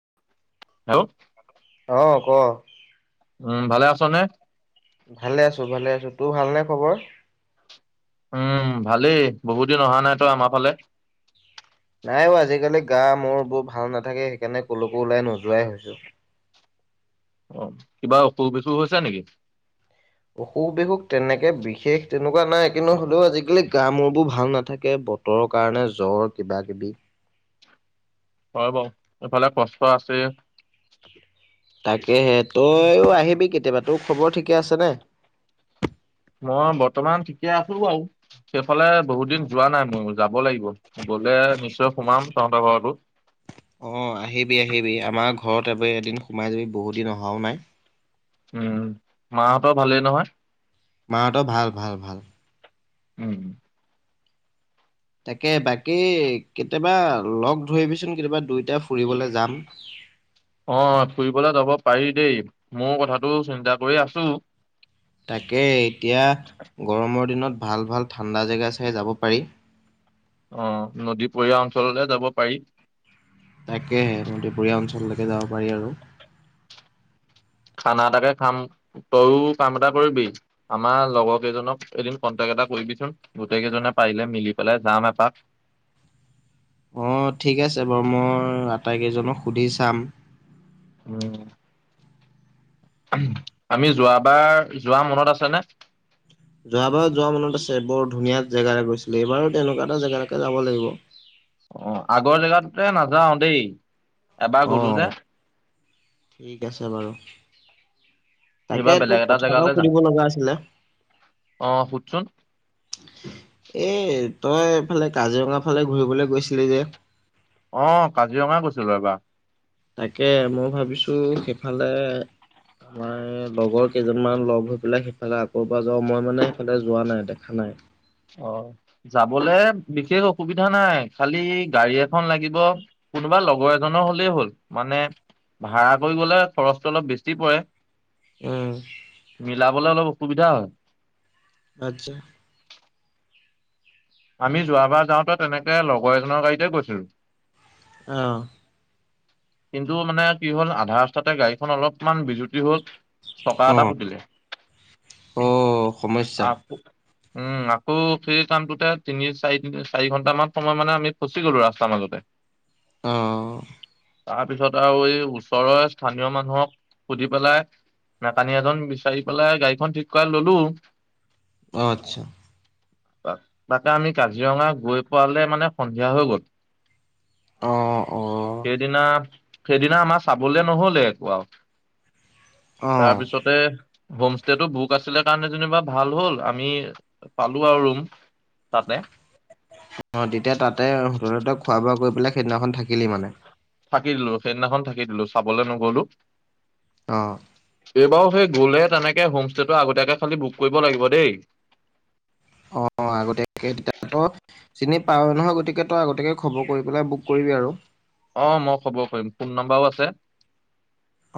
[unintelligible] অঁ ক উম ভালে আছনে? ভালে আছো ভালে আছো তোৰ ভালনে খবৰ উম, ভালেই বহুত দিন অহা নাই তই আমাৰ ফালে গা-মূৰবোৰ ভাল নাথাকে সেইকাৰণে ক'লৈকো ওলাই নোযোৱাই হৈছো। অ কিবা অসুখ-বিসুখ হৈছে নেকি? অসুখ-বিসুখ তেনেকে বিশেষ তেনেকুৱা নাই কিন্তু হলেও আজিকালি গা-মূৰবোৰ ভাল নাথাকে বতৰৰ কাৰণে জ্বৰ কিবা কিবি। হয় বাও ইফালে কষ্ট আছেই। [inaudible] তাকে তাকেহে তইও আহিবি কেতি কেতিয়াবা তোৰ খবৰ ঠিকে আছেনে? মই বৰ্তমান ঠিকে আছো বাৰও সেইফালে বহুত দিন যোৱা নাই মোৰ যাব লাগিব গলে নিশ্চয় সোমাম তহঁতৰ ঘৰতো। অঁ আহিবি আহিবি আমাৰ ঘৰত এবে এদিন সোমাই যাবি বহুত দিন অহাও নাই। উম, মাহঁতৰ ভালেই নহয়? মাহঁতৰ ভাল ভাল ভাল। উম তাকে বাকী কেতিয়াবা লগ ধৰিবিচোন কেতিয়াবা দুইটাই ফুৰিবলৈ যাম। অঁ ফুৰিবলৈ যাব পাৰি দেই, মোও কথাটো চিন্তা কৰি আছো। তাকেই এতিয়া গৰমৰ দিনত ভাল ভাল ঠাণ্ডা জেগা চাই যাব পাৰি অঁ নদীপৰীয়া অঞ্চললে যাব পাৰি। তাকেহে নদীপৰীয়া অঞ্চললেকে যাব পাৰি আৰু খানা এটাকে খাম তয়ো কাম এটা কৰিবি, আমাৰ লগৰকেইজনক এদিন কন্টেক এটা কৰিবিচোন গোটেইকেইজনে পাৰিলে মিলি পেলাই যাম এপাক। অঁ ঠিক আছে বাৰু মই আটাইকেইজনক সুধি চাম উম আমি যোৱাবাৰ যোৱা মনত আছেনে? যোৱাবাৰত যোৱা মনত আছে বৰ ধুনীয়া জেগা গৈছিলে এইবাৰো তেনেকুৱা এটা জেগালৈকে যাব লাগিব অঁ আগৰ জেগাটোতে নাযাও দেই এবাৰ গলো অ' যে ঠিক আছে বাৰু এইবাৰ তাকে বেলেগ তোক এটা কথা জেগালৈ এটাও যাম সুধিব লগা আছিলে। অ সুধচোন এ তই এইফালে কাজিৰঙা ফালে ঘূৰিবলৈ গৈছিলি যে অঁ কাজিৰঙাই গৈছিলো এবা তাকে মই ভাবিছো সেইফালে, আমাৰ লগৰ কেইজনমান লগ হৈ পেলাই সেইফালে আকৌ এবাৰ যাওঁ, মই মানে সেইফালে যোৱা নাই দেখা নাই। অঁ যাবলে বিশেষ সুবিধা নাই খালি গাড়ী এখন লাগিব, কোনোবা লগৰ এজনৰ হলেই হ'ল মানে, ভাড়া কৰি গলে খৰচটো অলপ বেছি পৰে। উম মিলাবলে অলপ সুবিধা হয়। আচ্ছা আমি যোৱাবাৰ যাওঁতে তেনেকে লগৰ এজনৰ গাড়ীতে গৈছিলো আহঁ কিন্তু মানে কি হ'ল আধা ৰাস্তাতে গাড়ীখন অলপমান বিজুতি হল চকা অ এটা ফুতিলে। অ সমস্যা আহ উম আকৌ সেই কামটোতে তিনি চাৰি তিনি চাৰি ঘন্টামান সময় মানে আমি ফচি গলো ৰাস্তাৰ মাজতে আহঁ তাৰ পিছত আৰু এই ওচৰৰে স্থানীয় মানুহক সুধি পেলাই মেকানিক এজন বিচাৰি পেলাই গাড়ীখন ঠিক কৰা ললো আচ্ছা [unintelligible] তাকে আমি কাজিৰঙা গৈ পোৱালে মানে সন্ধিয়া হৈ গল অ অ। [inaudible] সেইদিনা সেইদিনা আমাৰ চাবলে নহলে একো আও অ তাৰপিছতে হোমষ্টেটো বুক আছিলে কাৰণে যেনিবা ভাল হ'ল আমি, পালো আৰু ৰুম। তাতে অঁ তেতিয়া তাতে হোটেলতে খোৱা বোৱা কৰি [unintelligible] সেইদিনাখন থাকিলি মানে থাকি দিলো সেইদিনাখন থাকি দিলো চাবলৈ নগলো অঁ এইবাও সেই গলে তেনেকে হোমষ্টেটো আগতীয়াকে খালি বুক কৰিব লাগিব দেই। অঁ আগতীয়াকে তেতিয়া ত চিনি পাৱ নহয় গতিকে তই আগতীয়াকে খবৰ কৰি পেলাই বুক কৰিবি আৰু অ', মই খবৰ কৰিম ফোন নাম্বাৰও আছে।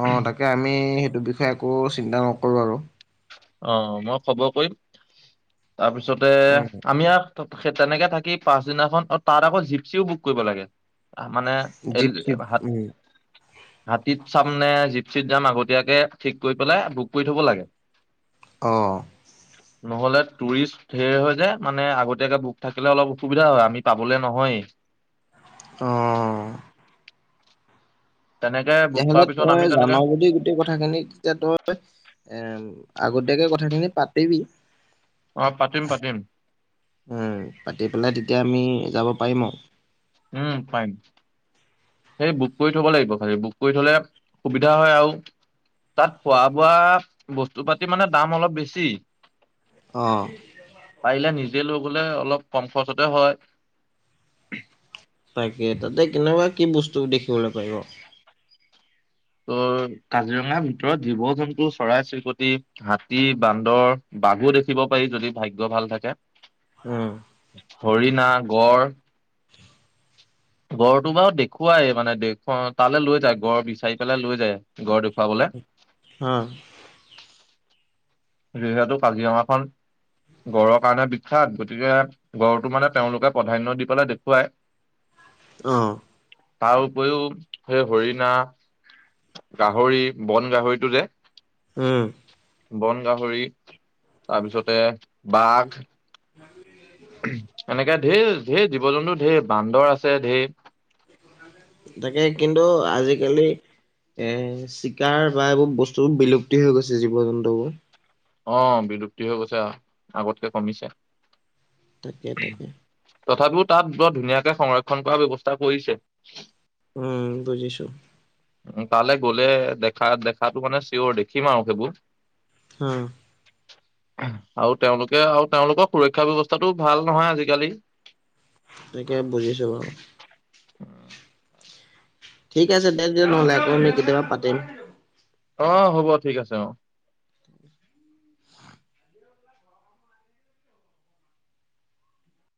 অ', তাকে আমি সেইটো বিষয়ে একো চিন্তা নকৰোঁ আৰু। অ', মই খবৰ কৰিম। তাৰপিছতে উম আমিয়াক ত সেই তেনেকে থাকি পাচদিনাখন অ, তাত আকৌ জিপচিও বুক কৰিব লাগে। মানে জীপ এই চিপ উম হাত হাতীত চাম নে জিপচিত যাম আগতীয়াকে ঠিক কৰি পেলাই বুক কৰি থব লাগে। অ। নহ'লে টুৰিষ্ট ধেৰ হয় যে, মানে আগতীয়াকে বুক থাকিলে অলপ অসুবিধা হয় আমি পাবলে নহয়। অহ। তেনেকে বুক তেতিয়াহলে কৰাৰ পিছত আমি তই তেনেকে জানাৱ বুলি গোটেই কথাখিনি তেতিয়া তই এ আগতীয়াকে কথাখিনি পাতিবি। অ পাতিম পাতিম উম, পাতি পেলাই তেতিয়া আমি যাব পাৰিম আৰু। উম, পাইম। সেই বুক কৰি থব লাগিব খালি, বুক কৰি থলে সুবিধা হয় আৰু তাত খোৱা বোৱা বস্তু পাতি মানে দাম অলপ বেছি। অ', পাৰিলে নিজে লগ গলে অলপ কম খৰচতে হয়। তাকে তাতে কেনেবা কি বস্তু দেখিবলৈ পাব? ত' কাজিৰঙাৰ ভিতৰত জীৱ, জন্তু, চৰাই, চিৰিকটি, হাতী, বান্দৰ, বাঘু, দেখিব পাৰি যদি ভাগ্য ভাল থাকে। উম, হৰিণা, গঁড়। গড়টো বাৰু দেখুৱাই মানে দেখুৱা তালৈ লৈ যায় গড় বিচাৰি পেলাই লৈ যায় গঁড় দেখুৱাবলৈ। অ। যিহেতু কাজিৰঙাখন গঁড়ৰ কাৰণে বিখ্যাত গতিকে গঁড়টো মানে তেওঁলোকে প্ৰাধান্য দি পেলাই দেখুৱায়। অ। তাৰ উপৰিও সেই হৰিণা, গাহৰি, বন গাহৰিটো যে। উম। বন গাহৰি তাৰপিছতে বাঘ। উ এনেকে ঢেৰ ঢেৰ জীৱ জন্তু ঢেৰ বান্দৰ আছে ঢেৰ। তাকে কিন্তু আজিকালি এ চিকাৰ বা এইবোৰ বস্তুবোৰ বিলুপ্তি হৈ গৈছে জীৱ জন্তুবোৰ। অ', বিলুপ্তি হৈ গৈছে আ-আগতকে কমিছে। তাকে তাকে। তথাপিও তাত বৰ ধুনীয়াকে সংৰক্ষণ কৰা ব্যৱস্থা কৰিছে। উম, বুজিছো। উ, তালে গ'লে দেখা দেখাটো মানে চিয়ৰ দেখিম আৰু সেইবোৰ। উ। আৰু তেওঁলোকে আৰু তেওঁলোকৰ সুৰক্ষা ব্যৱস্থাটোও ভাল নহয় আজিকালি। তাকে বুজিছো বাৰু। উম। ঠিক আছে দে। নহ'লে আকৌ আমি কেতিয়াবা পাতিম। অ' হ'ব ঠিক আছে অ'।